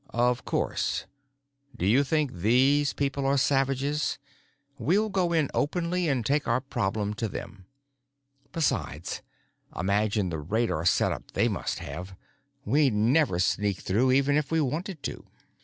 "Of course. Do you think these people are savages? We'll go in openly and take our problem to them. Besides, imagine the radar setup they must have! We'd never sneak through even if we wanted to."